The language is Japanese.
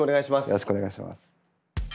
よろしくお願いします。